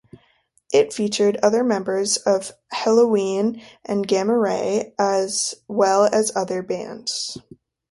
It featured other members of Helloween and Gamma Ray as well as other bands.